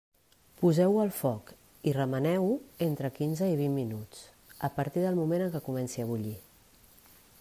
Poseu-ho al foc i remeneu-ho entre quinze i vint minuts, a partir del moment en què comenci a bullir.